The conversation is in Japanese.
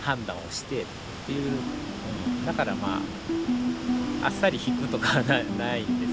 だからまああっさり引くとかはないんですよ。